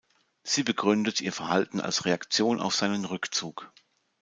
Sie begründet ihr Verhalten als Reaktion auf seinen Rückzug.